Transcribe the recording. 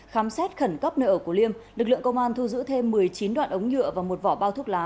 khám xét khẩn cấp nơi ở của liêm lực lượng công an thu giữ thêm một mươi chín đoạn ống nhựa và một vỏ bao thuốc lá